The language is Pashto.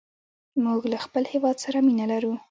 موږ له خپل هېواد سره مینه لرو.